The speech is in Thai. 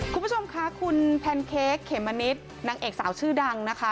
คุณผู้ชมค่ะคุณแพนเค้กเขมมะนิดนางเอกสาวชื่อดังนะคะ